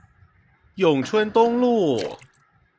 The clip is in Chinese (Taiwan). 永春東路